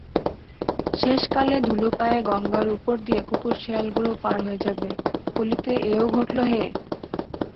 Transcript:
শেষকালে ধুলোপায়ে গঙ্গার উপর দিয়ে কুকুরশেয়ালগুলোও পার হয়ে যাবে, কলিতে এও ঘটল হে!